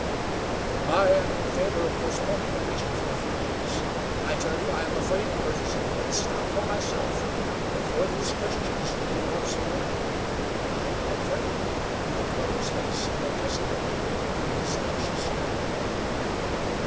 "I am in favor of postponing the preaching for a few days. I tell you I am afraid of Girty's Indians, not for myself, but for these Christians whom we love so well. I am afraid." Heckewelder's face bore testimony to his anxious dread.